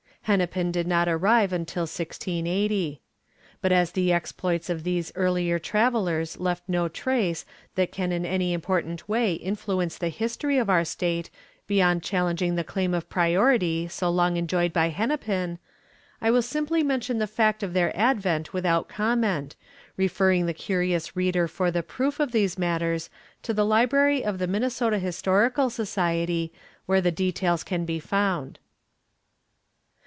Hennepin did not arrive until 1680. But as the exploits of these earlier travelers left no trace that can in any important way influence the history of our state beyond challenging the claim of priority so long enjoyed by Hennepin, I will simply mention the fact of their advent without comment, referring the curious reader for the proof of these matters to the library of the Minnesota Historical Society, where the details can be found.